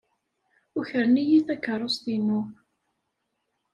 Ukren-iyi takeṛṛust-inu.